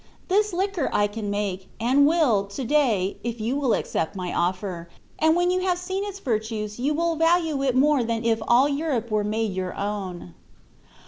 This liquor I can make, and will, to day, if you will accept my offer; and when you have seen its virtue you will value it more than if all Europe were made your own."